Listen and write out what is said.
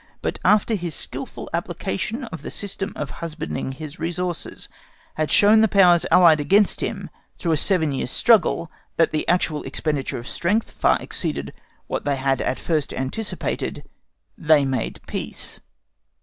But after his skilful application of the system of husbanding his resources had shown the powers allied against him, through a seven years' struggle, that the actual expenditure of strength far exceeded what they had at first anticipated, they made peace.